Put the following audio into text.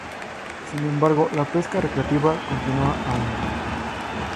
Sin embargo, la pesca recreativa continúa aún.